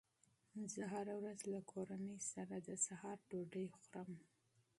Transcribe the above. زه هره ورځ له کورنۍ سره د سهار ډوډۍ خورم